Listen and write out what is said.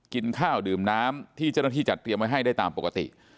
กินข้าวดื่มน้ำที่เจ้าหน้าที่จัดเตรียมไว้ให้ได้ตามปกติ